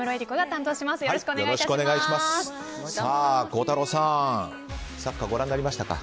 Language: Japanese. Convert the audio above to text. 孝太郎さん、サッカーご覧になりましたか？